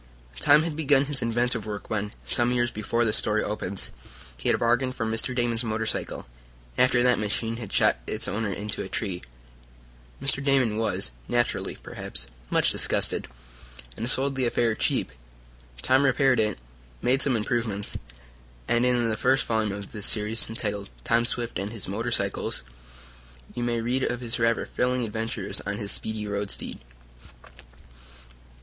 Tom had begun his inventive work when, some years before this story opens, he had bargained for Mr. Damon's motorcycle, after that machine had shot its owner into a tree. Mr. Damon was, naturally, perhaps, much disgusted, and sold the affair cheap. Tom repaired it, made some improvements, and, in the first volume of this series, entitled "Tom Swift and His Motor cycle," you may read of his rather thrilling adventures on his speedy road steed.